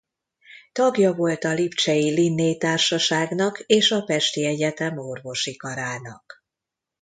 Tagja volt a lipcsei Linné-társaságnak és a pesti egyetem orvosi karának.